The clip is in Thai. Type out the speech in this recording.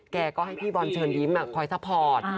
แกก็ให้พี่บอลเชิญยิ้มคอยซัพพอร์ต